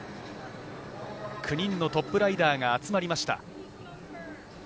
９人のトップライダーが集まりました。